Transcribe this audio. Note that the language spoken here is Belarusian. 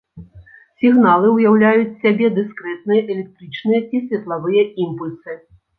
Сігналы ўяўляюць з сябе дыскрэтныя электрычныя ці светлавыя імпульсы.